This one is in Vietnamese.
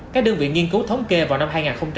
các đơn vị nghiên cứu thống kê vào năm hai nghìn hai mươi